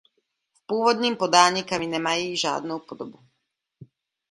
V původním podání kami nemají žádnou podobu.